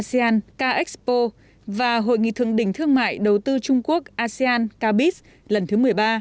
asean car expo và hội nghị thượng đỉnh thương mại đầu tư trung quốc asean carbis lần thứ một mươi ba